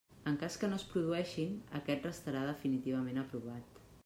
En cas que no es produeixin, aquest restarà definitivament aprovat.